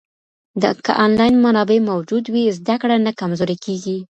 که انلاین منابع موجود وي، زده کړه نه کمزورې کېږي.